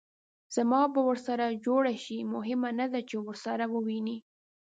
زما به ورسره جوړه شي؟ مهمه نه ده چې ورسره ووینې.